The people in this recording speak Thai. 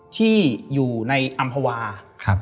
ที่อยู่ในอำภาวา